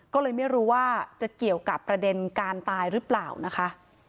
ก็เลยไม่รู้ว่าจะเกี่ยวกับประเด็นการตายหรือเปล่านะคะ